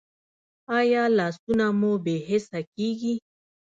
ایا لاسونه مو بې حسه کیږي؟